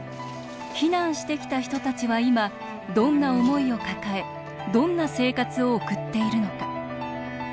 避難してきた人たちは今どんな思いを抱えどんな生活を送っているのか。